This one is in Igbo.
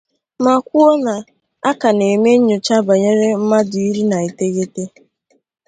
ma kwuo na a ka na-eme nnyòcha banyere mmadụ iri na iteghete